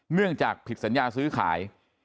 เนื่องจากผิดสัญญาซื้อขาย